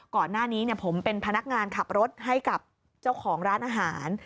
ก่อนหน้านี้ผมเป็นพนักงานขับรถให้กับเจ้าของร้านอาหาร